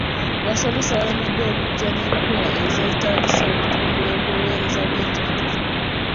Abasomesa balemeddwa okujja n'enkola ez'etagisa okutumbula obuweereza bw'ebyenjigiriza.